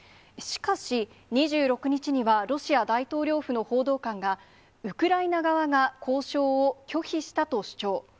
しかし、２６日には、ロシア大統領府の報道官が、ウクライナ側が交渉を拒否したと主張。